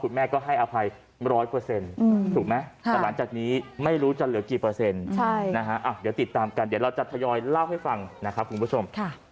เดี๋ยวติดตามกันเดี๋ยวเราจะทยอยเล่าให้ฟังนะครับคุณผู้ชม